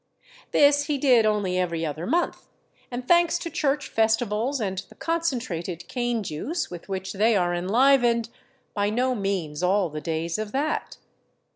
This he did only every other month, and thanks to church festivals and the concentrated cane juice with which they are enlivened, by no means all the days of that.